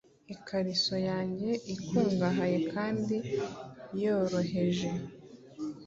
Ikariso yanjye ikungahaye kandi yoroheje